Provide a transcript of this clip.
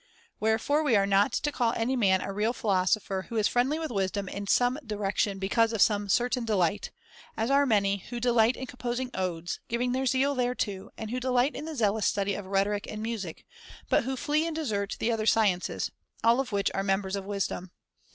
Wherefore we are not to call any man a real philosopher who is friendly with wisdom in some direction be cause of some certain delight ; as are many who delight in composing odes, giving their zeal thereto, and who delight in the zealous study of []ioo] rhetoric and music, but who flee and desert the other sciences, all of which are , 198 THE CONVIVIO Ch. The true members of wisdom.